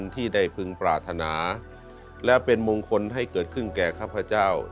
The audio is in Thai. ที่ได้พึงปรารถนาและเป็นมงคลให้เกิดขึ้นแก่ข้าพเจ้า